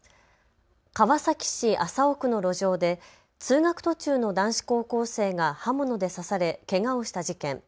川崎市麻生区の路上で通学途中の男子高校生が刃物で刺されけがをした事件。